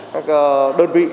các đơn vị